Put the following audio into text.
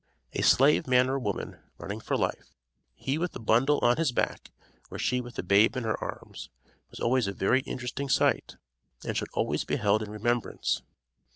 A slave man or woman, running for life, he with a bundle on his back or she with a babe in her arms, was always a very interesting sight, and should always be held in remembrance.